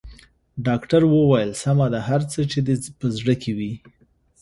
ډاکټر وويل سمه ده هر څه چې دې په زړه کې دي.